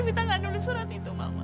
ervita nggak nulis surat itu mama